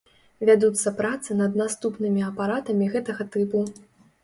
Вядуцца працы над наступнымі апаратамі гэтага тыпу.